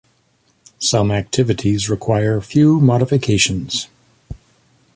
Some activities require few modifications.